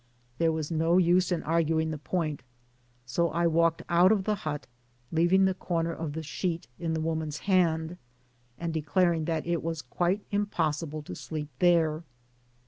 There was no use in arguing the point, so I walked out of the hut, leaving the corner of the sheet in the woman's Digitized byGoogk TOWN OF SAN LUIS. 57 hand, and declaring that it was quite impossible to sleep there.